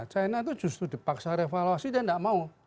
china itu justru dipaksa devaluasi dia nggak mau